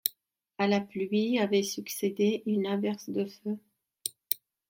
À la pluie avait succédé une averse de feu.